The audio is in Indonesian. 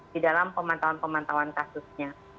di dalam pemantauan pemantauan kasusnya